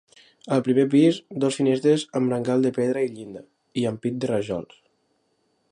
Al primer pis dues finestres amb brancal de pedra i llinda i ampit de rajols.